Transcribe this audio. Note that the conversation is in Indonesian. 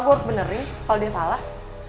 gue harus benerin kalau dia salah